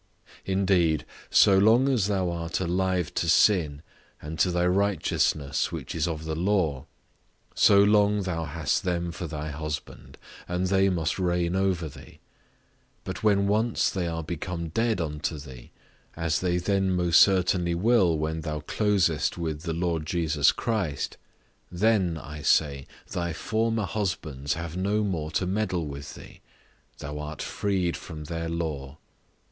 Indeed, so long as thou art alive to sin, and to thy righteousness which is of the law, so long thou hast them for thy husband, and they must reign over thee; but when once they are become dead unto thee—as they then most certainly will when thou closest with the Lord Jesus Christ—then, I say, thy former husbands have no more to meddle with thee; thou art freed from their law.